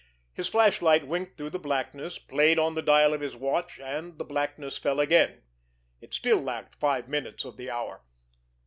His flashlight winked through the blackness, played on the dial of his watch, and the blackness fell again. It still lacked five minutes of the hour.